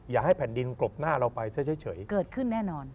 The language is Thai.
ให้แผ่นดินกลบหน้าเราไปซะเฉยเกิดขึ้นแน่นอน